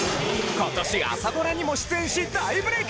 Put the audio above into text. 今年朝ドラにも出演し大ブレイク！